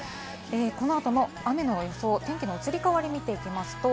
この後の雨の予想、天気の移り変わりを見ていきます。